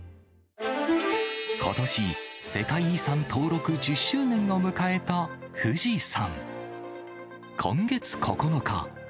ことし、世界遺産登録１０周年を迎えた富士山。